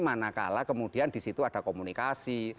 manakala kemudian disitu ada komunikasi